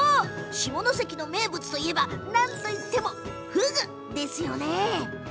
下関の名物といえばなんといっても、ふぐですよね。